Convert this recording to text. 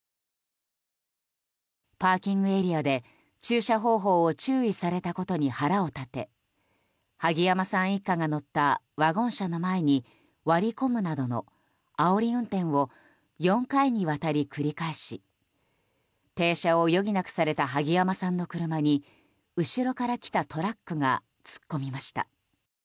パーキングエリアで駐車方法を注意されたことに腹を立て萩山さん一家が乗ったワゴン車の前に割り込むなどのあおり運転を４回にわたり繰り返し停車を余儀なくされた萩山さんの車に後ろから来たトラックが突っ込みました。